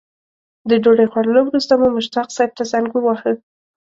د ډوډۍ خوړلو وروسته مو مشتاق صیب ته زنګ وواهه.